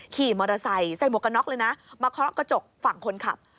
ขี่มอเตอร์ไซค์ใส่หมวกกันน็อกเลยนะมาเคาะกระจกฝั่งคนขับ